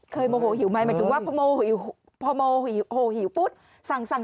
ครับคุณผู้หญิง